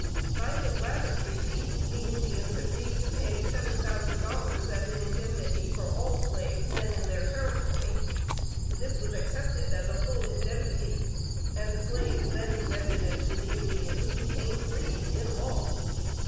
By this latter treaty, the Indians agreed to pay seven thousand dollars as an indemnity for all slaves then in their territory. This was accepted as a full indemnity, and the slaves then resident with the Indians became free in law.